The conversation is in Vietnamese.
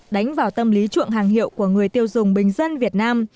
đánh vào tâm lý chuộng hàng hiệu của người tiêu dùng bình dân việt nam